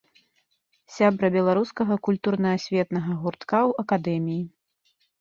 Сябра беларускага культурна-асветнага гуртка ў акадэміі.